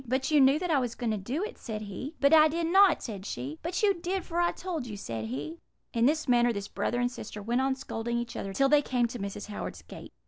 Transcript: "'But you knew that I was going to do it,' said he. "'But I did not,' said she. "'But you did, for I told you,' said he. "In this manner this brother and sister went on scolding each other till they came to Mrs. Howard's gate.